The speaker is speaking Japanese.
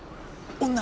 女？